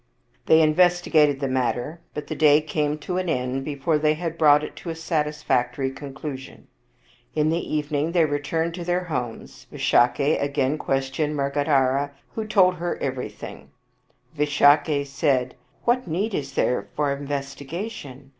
They investigated the matter, but the day came to an end before they had brought it to a satisfactory con clusion. In the evening they returned to their homes. Visakha again questioned Mrgadhara, who told her every thing. Visakha said, " What need is there of investigation?